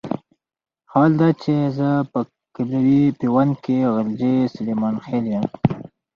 حال دا چې زه په قبيلوي پيوند کې غلجی سليمان خېل يم.